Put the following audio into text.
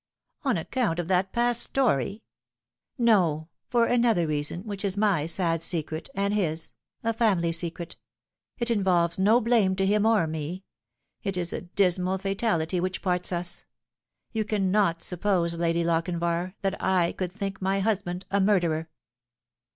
" On account of that past story ?"" No, for another reason, which is my sad secret, and his a family secret. It involves no blame to him or me. It is a dismal fatality which parts us. You cannot suppose, Lady Lochinvar, that / could think my husband a murderer